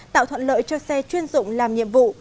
tạo thuận lợi cho xe chuyên dụng làm nhiệm vụ